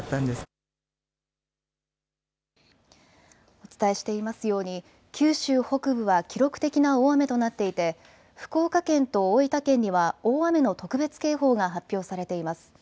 お伝えしていますように九州北部は記録的な大雨となっていて福岡県と大分県には大雨の特別警報が発表されています。